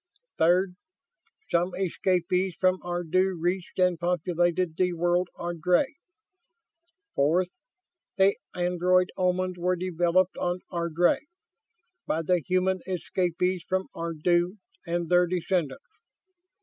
Third, some escapees from Ardu reached and populated the world Ardry. Fourth, the android Omans were developed on Ardry, by the human escapees from Ardu and their descendants.